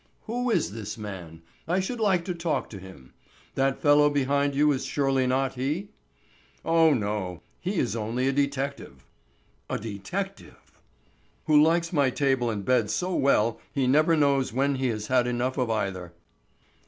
"Who is this man? I should like to talk to him. That fellow behind you is surely not he?" "Oh, no; he is only a detective." "A detective!" "Who likes my table and bed so well he never knows when he has had enough of either."